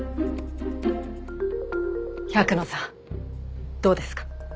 百野さんどうですか？